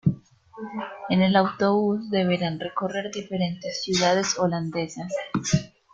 En el autobús deberán recorrer diferentes ciudades holandesas.